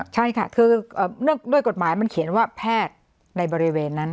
ใช่ค่ะคือด้วยกฎหมายมันเขียนว่าแพทย์ในบริเวณนั้น